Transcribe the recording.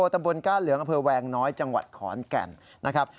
ตำบลก้าเหลืองอำเภอแวงน้อยจังหวัดขอนแก่นนะครับ